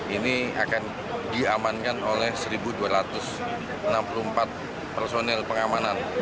ini akan diamankan oleh satu dua ratus enam puluh empat personel pengamanan